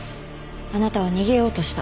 あなたは逃げようとした。